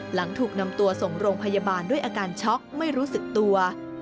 หลังถูกนำตัวส่งโรงพยาบาลด้วยอาการช็อกไม่รู้สึกตัว